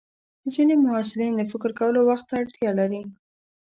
ځینې محصلین د فکر کولو وخت ته اړتیا لري.